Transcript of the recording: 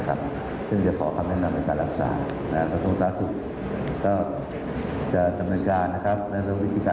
กับทางระบบการแพทย์รัฐศาสตร์ทุกวัยตลอดเวลา